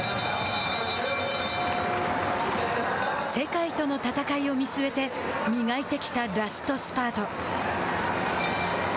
世界との戦いを見据えて磨いてきたラストスパート。